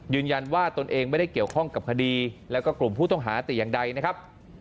ยืนยันว่าตัวเองไม่ได้เกี่ยวข้องกับคดีและกลุ่มผู้ต้องหาอาติอย่างใดนะครับ